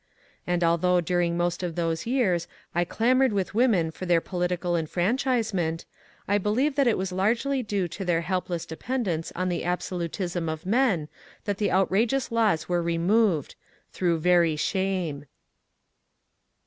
And although during most of those years I clamoured with women for their political enfranchisement, I believe that it was largely due to their helpless dependence on the abso lutism of men that the outrageous laws were removed — through very shame.